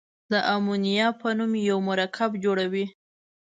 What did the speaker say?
د امونیا په نوم یو مرکب جوړوي.